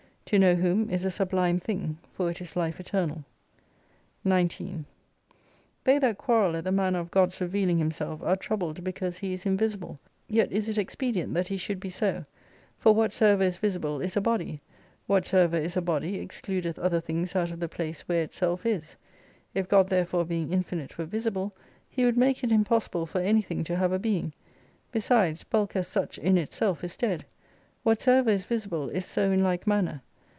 To know Whom is a sublime thing ; for it is Life Eternal. 19 They that quarrel at the manner of God's revealing Himself are troubled because He is invisible. Yet is it expedient that He should be so : for whatsoever is visible is a body ; whatsoever is a body excludeth other things out of the place where itself is. If God therefore being infinite were visible He would make it impossible for anything to have a being. Besides, bulk as such in itself is dead. "Whatsoever is visible is so in like manner.